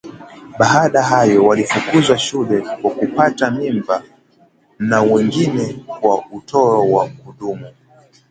Baadhi yao walifukuzwa shule kwa kupata mimba na wengine kwa utoro wa kudumu